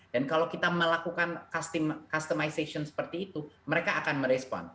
dan kalau kita melakukan customization seperti itu mereka akan merespon